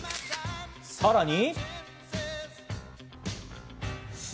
さらに。